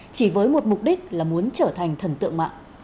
chỉ với một mục đích là muốn trở thành thần tượng mạng